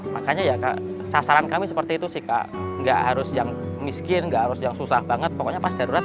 makanya ya sasaran kami seperti itu sih kak nggak harus yang miskin nggak harus yang susah banget pokoknya pas darurat